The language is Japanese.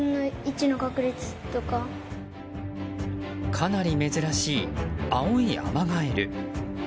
かなり珍しい青いアマガエル。